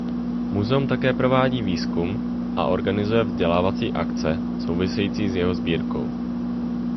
Muzeum také provádí výzkum a organizuje vzdělávací akce související s jeho sbírkou.